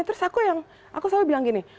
terus aku yang aku selalu bilang gini